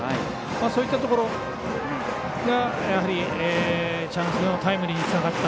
そういったところがやはりチャンスのタイムリーにつながった。